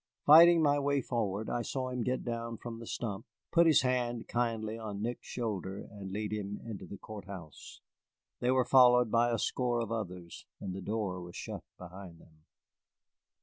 Fighting my way forward, I saw him get down from the stump, put his hand kindly on Nick's shoulder, and lead him into the court house. They were followed by a score of others, and the door was shut behind them.